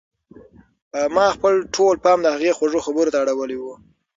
ما خپل ټول پام د هغې خوږو خبرو ته اړولی و.